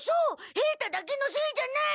平太だけのせいじゃない。